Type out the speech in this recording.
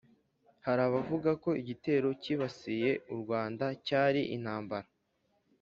hari abavuga ko igitero cyibasiye u rwanda cyari intambara